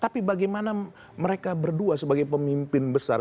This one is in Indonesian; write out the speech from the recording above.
tapi bagaimana mereka berdua sebagai pemimpin besar